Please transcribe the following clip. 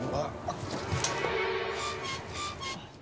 あっ。